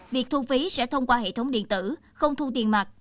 việc thu phí sẽ thông qua hệ thống điện tử không thu tiền mạc